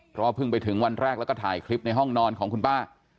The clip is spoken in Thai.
เพราะว่าเพิ่งไปถึงวันแรกแล้วก็ถ่ายคลิปในห้องนอนของคุณป้า